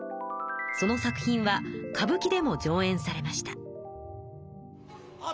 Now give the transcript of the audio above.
その作品は歌舞伎でも上演されました。